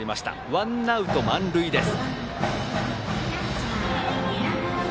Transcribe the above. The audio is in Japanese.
ワンアウト満塁です。